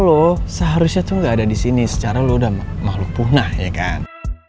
oh seharusnya tuh gak ada disini secara lu udah makhluk punah ya kan